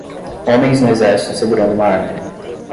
Homens no exército segurando uma arma.